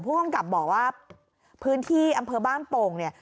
ผู้กำกับบอกว่าพื้นที่อำเภอบ้านโป่งเนี่ย